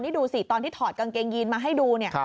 นี่ดูสิตอนที่ถอดกางเกงยีนมาให้ดูเนี่ย